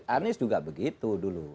anies juga begitu dulu